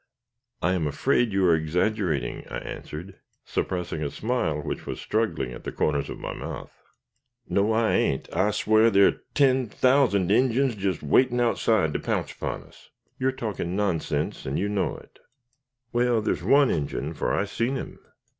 "I am afraid you are exaggerating," I answered, suppressing a smile which was struggling at the corners of my mouth. "No, I ain't. I swow there are ten thousand Injins just waiting outside to pounce upon us." "You are talking nonsense, and you know it." "Well, there's one Injin, for I seen him.